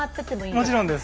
もちろんです。